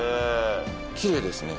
きれいですね。